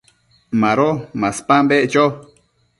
Mado maspan beccho